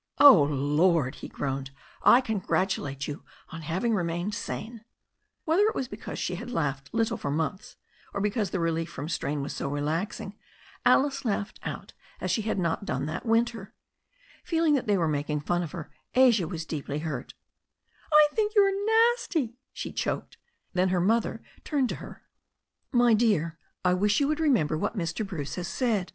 "Oh, Lord !" he groaned. "I congratulate you on having remained sane." Whether it was because she had laughed little for months, or because the relief from strain was so relaxing, Alice laughed out as she had not done that winter. Feeling that they were making fun of her, Asia was deeply hurt. "I think you are nasty," she choked. Then her mother turned to her. "My dear, I wish you would remember what Mr. Bruce 146 THE STORY OF A NEW ZEALAND RIVER has said.